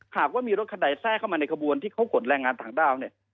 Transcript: หากว่ามีรถคันใดแทรกเข้ามาในขบวนที่เขากดแรงงานต่างด้าวเนี่ย